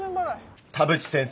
田淵先生